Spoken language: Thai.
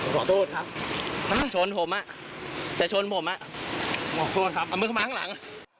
ขอโทษครับเอามือเข้ามาข้างหลัง